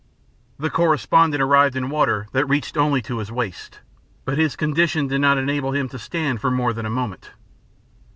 The correspondent arrived in water that reached only to his waist, but his condition did not enable him to stand for more than a moment.